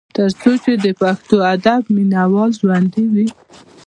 تر څو چې د پښتو ادب مينه وال ژوندي وي ۔